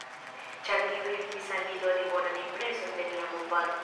Ĉar tio helpis al ni doni bonan impreson de nia movado.